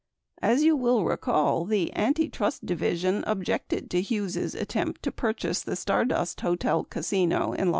As you will recall the Antitrust Division objected to Hughes' attempt to purchase the Stardust Hotel Casino in Las Vegas in 1968.